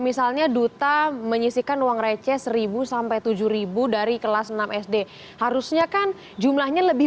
misalnya duta menyisikan uang receh seribu sampai tujuh dari kelas enam sd harusnya kan jumlahnya lebih